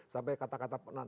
sampai kata kata penan